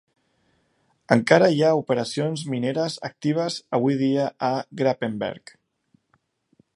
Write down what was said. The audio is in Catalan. Encara hi ha operacions mineres actives avui dia a Garpenberg.